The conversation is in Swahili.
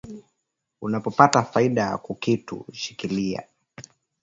Unapo pata faida kukitu shikiliya